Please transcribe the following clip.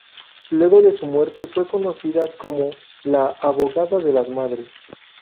Luego de su muerte fue conocida como la "abogada de las madres".